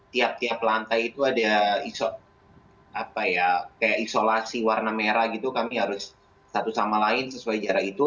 tiap tiap lantai itu ada kayak isolasi warna merah gitu kami harus satu sama lain sesuai jarak itu